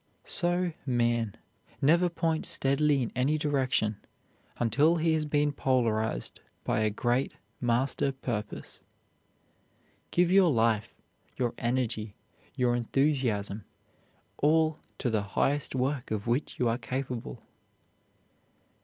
So man never points steadily in any direction until he has been polarized by a great master purpose. Give your life, your energy, your enthusiasm, all to the highest work of which you are capable.